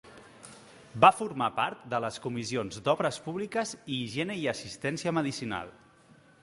Va formar part de les Comissions d'Obres Públiques i Higiene i Assistència Medicinal.